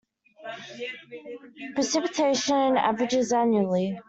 Precipitation averages annually.